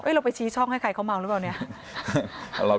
เราไปชี้ช่องให้ใครเขาเมาหรือเปล่าเนี่ย